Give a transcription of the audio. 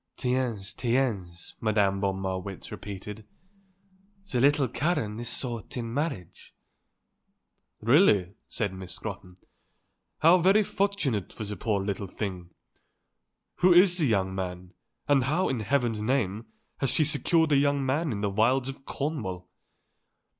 "Tiens, tiens," Madame von Marwitz repeated; "the little Karen is sought in marriage." "Really," said Miss Scrotton, "how very fortunate for the poor little thing. Who is the young man, and how, in heaven's name, has she secured a young man in the wilds of Cornwall?"